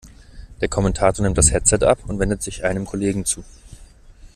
Der Kommentator nimmt das Headset ab und wendet sich einem Kollegen zu.